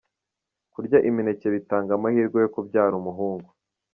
Kurya imineke bitanga amahirwe yo kubyara umuhungu.